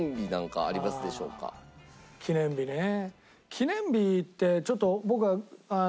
記念日ってちょっと僕は。